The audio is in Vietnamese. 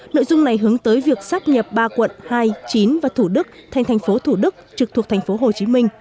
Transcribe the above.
nội dung này hướng tới việc sát nhập ba quận hai chín và thủ đức thành thành phố thủ đức trực thuộc tp hcm